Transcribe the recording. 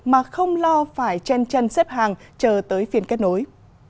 mà không lo phải chen chân xếp hàng chờ tới phiên kết nối